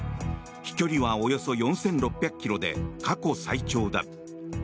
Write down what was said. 飛距離はおよそ４６００ｋｍで過去最長だ。